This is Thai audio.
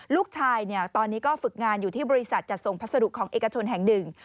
ลูกชายตอนนี้ก็ฝึกงานอยู่ที่บริษัทจัดส่งพัสดุของเอกชนแห่งหนึ่ง